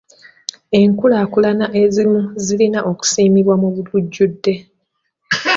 Enkulaakulana ezimu zirina okusiimibwa mu lujjudde.